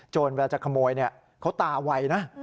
เวลาจะขโมยเขาตาไวนะ